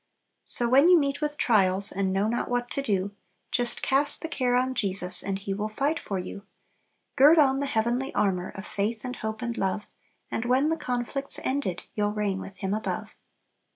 "So, when you meet with trials, And know not what to do; Just cast the care on Jesus, And He will fight for you. Gird on the heavenly armor Of faith, and hope, and love; And when the conflict's ended, You'll reign with Him above."